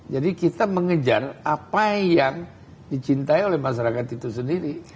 jadi kita mengejar apa yang dicintai oleh masyarakat itu sendiri